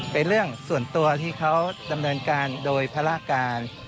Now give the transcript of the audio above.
เป็นเรื่องส่วนตัวที่เขาดำเนินการโดยภารการ